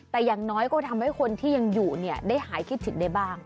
แต่อย่างน้อยก็ทำให้คนที่ยังอยู่ได้หายคิดถึงได้บ้าง